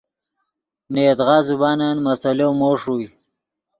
نے یدغا زبانن مسئلو مو ݰوئے